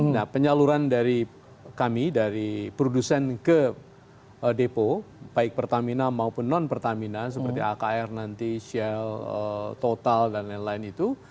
nah penyaluran dari kami dari produsen ke depo baik pertamina maupun non pertamina seperti akr nanti shell total dan lain lain itu